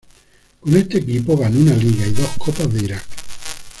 Con este equipo ganó una Liga y dos Copas de Irak.